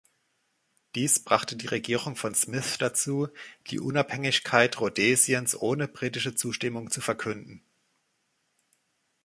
Dies brachte die Regierung von Smith dazu, die Unabhängigkeit Rhodesiens ohne britische Zustimmung zu verkünden.